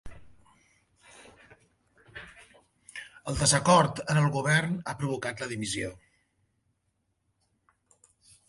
El desacord en el govern ha provocat la dimissió